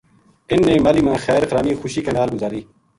اِنھ نے ماہلی ما خیر خرامی خوشی کے نال گزاری